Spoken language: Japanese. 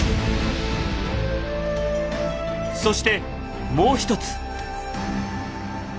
そしてもう一つ。